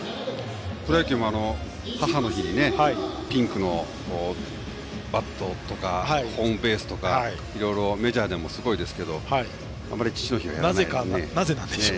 プロ野球も、母の日にピンクのバットとかホームベースとかいろいろメジャーでもすごいですけどあまり父の日はやりませんからね。